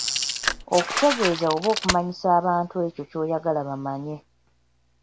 Okutegeeza oba okumanyisa abantu ekyo ky'oyagala bamanye.